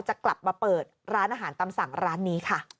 จะกลับมาเปิดร้านอาหารตำสั่งร้านนี้ค่ะ